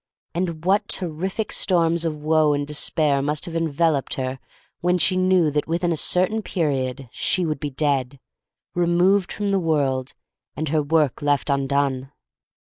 And what terrific storms of woe and despair must have enveloped her when she knew that within a cer tain period she would be dead — re moved from the world, and her work left undone!